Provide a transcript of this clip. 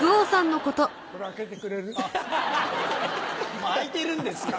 もう開いてるんです！